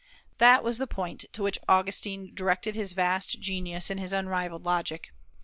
That was the point to which Augustine directed his vast genius and his unrivalled logic.